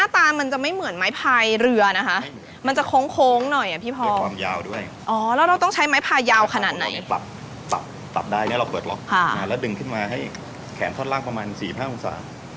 ปรับได้นะเราเปิดล็อกแล้วดึงขึ้นมาให้แขนท่อนล่างประมาณ๔๕องศา